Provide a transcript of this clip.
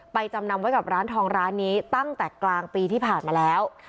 จำนำไว้กับร้านทองร้านนี้ตั้งแต่กลางปีที่ผ่านมาแล้ว